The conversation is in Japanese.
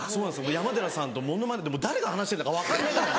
山寺さんとモノマネ誰が話してんだか分かんないぐらい。